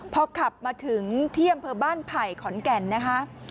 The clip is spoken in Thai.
พอขับมาถึงที่อำเภอบ้านไผ่ขอนแก่นนะคะ